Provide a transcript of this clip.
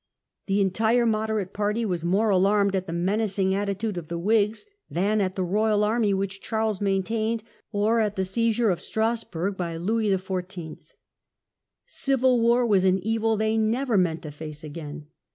The entire moderate party were more alarmed at the menacing attitude of the Whigs than at the royal army which Charles maintained or at the seizure of Strasburg by Louis XIV. Civil war was an evil they never meant to face again.